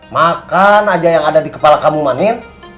makan aja yang ada di kepala kamu manin